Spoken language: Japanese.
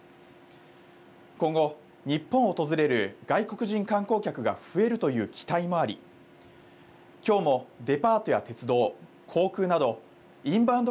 今後、日本を訪れる外国人観光客が増えるという期待もありきょうもデパートや鉄道、航空などインバウンド